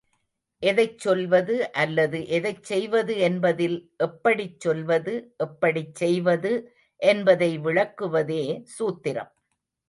எதைச் சொல்வது அல்லது எதைச் செய்வது என்பதில் எப்படிச் சொல்வது, எப்படிச் செய்வது என்பதை விளக்குவதே சூத்திரம்.